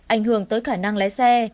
ảnh hưởng tới khả năng lái xe